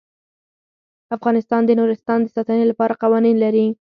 افغانستان د نورستان د ساتنې لپاره قوانین لري.